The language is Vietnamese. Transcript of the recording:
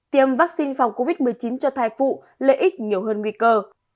tiêm vaccine phòng covid một mươi chín cho thai phụ lợi ích nhiều hơn nguy cơ